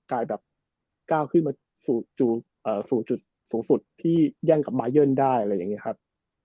กลายแบบกากขึ้นมาสู่สูงสุดที่แย่งกับบายอิอลได้อะไรแบบนี้ครับ